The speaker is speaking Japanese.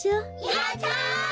やった！